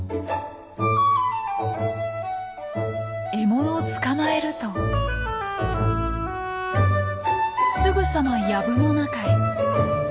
獲物を捕まえるとすぐさまやぶの中へ。